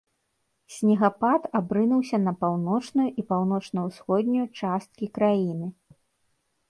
Снегапад абрынуўся на паўночную і паўночна-ўсходнюю часткі краіны.